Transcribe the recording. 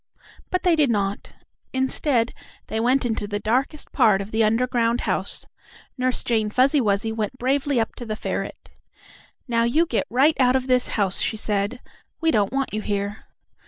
But they did not. Instead, they went into the darkest part of the underground house. Nurse Jane Fuzzy Wuzzy went bravely up to the ferret. "Now you get right out of this house," she said. "We don't want you here!"